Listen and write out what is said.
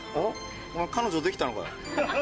お前彼女できたのかよ？